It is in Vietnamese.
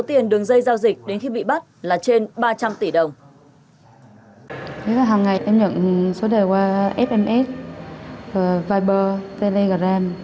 tiền đường dây giao dịch đến khi bị bắt là trên ba trăm linh tỷ đồng em nhận số đề qua sms viber telegram